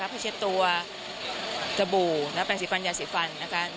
ผ้าเช็ดตัวสบู่แล้วก็แปลงสีฟันยาสีฟัน